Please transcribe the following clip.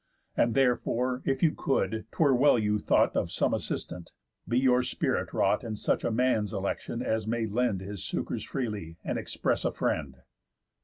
And therefore, if you could; 'twere well you thought Of some assistant. Be your spirit wrought In such a man's election, as may lend His succours freely, and express a friend."